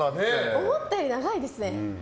思ったより長いですね。